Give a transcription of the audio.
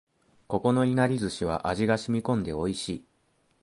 ここのいなり寿司は味が染み込んで美味しい